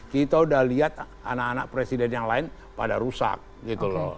kita udah lihat anak anak presiden yang lain pada rusak gitu loh